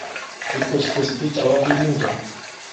Bìkòskòs bi càwa ibi di njɛ̌.